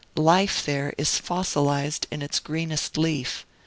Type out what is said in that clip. Life is there fossilized in its greenest leaf.